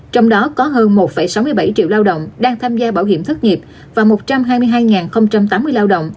trong đó có hơn một sáu mươi bảy triệu lao động đang tham gia bảo hiểm thất nghiệp và một trăm hai mươi hai tám mươi lao động